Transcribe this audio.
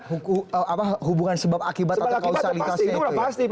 hubungan sebab akibat atau kausalitasnya itu ya